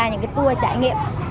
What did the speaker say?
những tour trải nghiệm